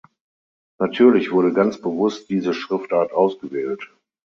Natürlich wurde ganz bewusst diese Schriftart ausgewählt.